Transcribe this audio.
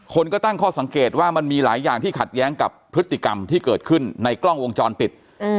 คนก็ตั้งข้อสังเกตว่ามันมีหลายอย่างที่ขัดแย้งกับพฤติกรรมที่เกิดขึ้นในกล้องวงจรปิด